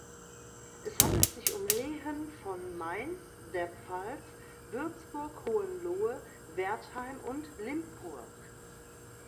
Es handelt sich um Lehen von Mainz, der Pfalz, Würzburg, Hohenlohe, Wertheim und Limpurg.